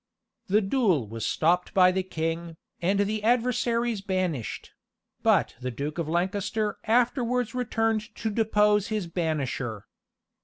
The duel was stopped by the king, and the adversaries banished; but the Duke of Lancaster afterwards returned to depose his banisher.